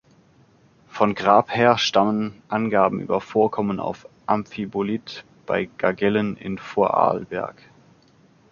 Von Grabherr stammen Angaben über Vorkommen auf Amphibolit bei Gargellen in Vorarlberg.